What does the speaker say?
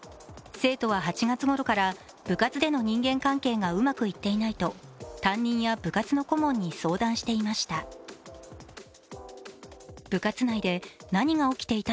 生徒は８月ごろから部活での人間関係がうまくいっていないと担任や部活の顧問に相談していました。